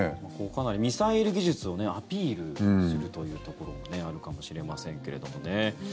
かなりミサイル技術をアピールするというところもあるかもしれませんけれどもね。